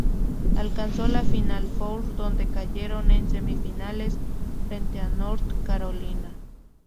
Alcanzó la Final Four, donde cayeron en semifinales frente a North Carolina.